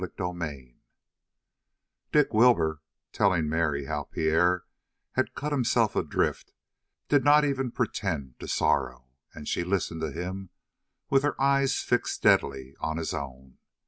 CHAPTER 25 Dick Wilbur, telling Mary how Pierre had cut himself adrift, did not even pretend to sorrow, and she listened to him with her eyes fixed steadily on his own.